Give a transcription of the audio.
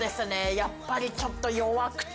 やっぱりちょっと弱くて。